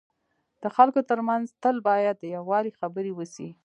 د خلکو ترمنځ تل باید د یووالي خبري وسي.